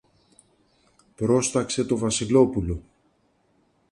πρόσταξε το Βασιλόπουλο.